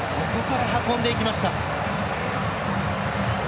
ここから運んでいきました。